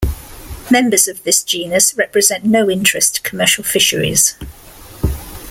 Members of this genus represent no interest to commercial fisheries.